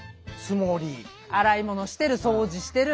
洗い物してる掃除してる。